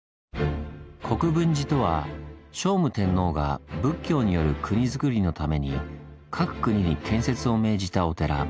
「国分寺」とは聖武天皇が仏教による国づくりのために各国に建設を命じたお寺。